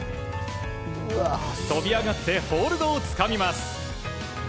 飛び上がってホールドをつかみます。